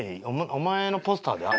お前のポスターで。